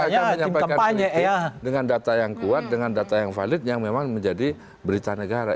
saya hanya menyampaikan kritik dengan data yang kuat dengan data yang valid yang memang menjadi berita negara